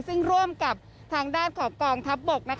ซึ่งร่วมกับทางด้านของกองทัพบก